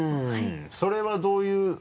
それはどういう？